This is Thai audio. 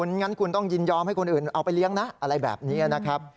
งั้นคุณต้องยินยอมให้คนอื่นเอาไปเลี้ยงนะอะไรแบบนี้นะครับ